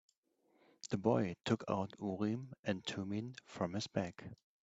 The boy took out Urim and Thummim from his bag.